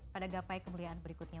pada gapai kemuliaan berikutnya